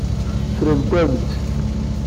Ffrent-am-tt.